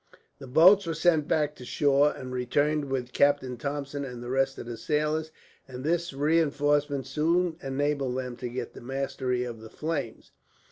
The boats were sent back to shore, and returned with Captain Thompson and the rest of the sailors, and this reinforcement soon enabled them to get the mastery of the flames.